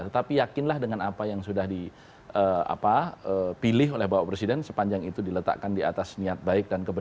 tetapi yakinlah dengan apa yang sudah dipilih oleh bapak presiden sepanjang itu diletakkan di atas niat baik